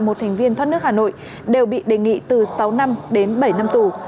một thành viên thoát nước hà nội đều bị đề nghị từ sáu năm đến bảy năm tù